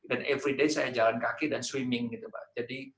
dan setiap hari saya jalan kaki dan berlari